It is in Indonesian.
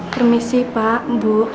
permisi pak bu